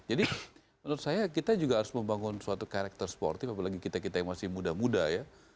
jadi menurut saya kita juga harus membangun suatu karakter sportif apalagi kita kita yang masih muda muda ya